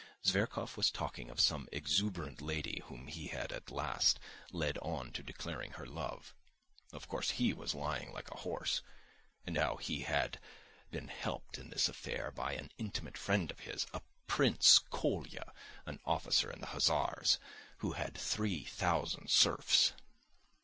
Zverkov was talking of some exuberant lady whom he had at last led on to declaring her love (of course, he was lying like a horse), and how he had been helped in this affair by an intimate friend of his, a Prince Kolya, an officer in the hussars, who had three thousand serfs.